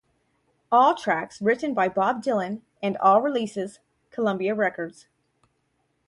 All tracks written by Bob Dylan and all releases Columbia Records.